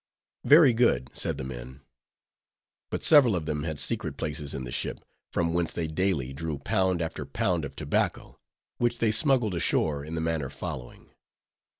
"Very good," said the men. But several of them had secret places in the ship, from whence they daily drew pound after pound of tobacco, which they smuggled ashore in the manner following.